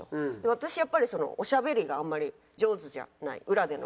私やっぱりおしゃべりがあんまり上手じゃない裏での。